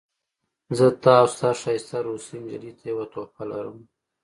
زه تا او ستا ښایسته روسۍ نجلۍ ته یوه تحفه لرم